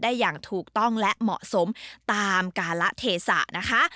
อย่างถูกต้องและเหมาะสมตามการละเทศะนะคะ